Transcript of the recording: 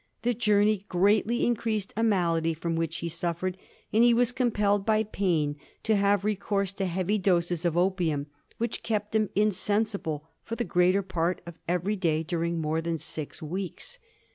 The journey greatly increased a malady from which he suffered, and he was compelled by pain to have recourse to heavy doses of opium, which tept him insensible for the greater part of every day during more than six weeks.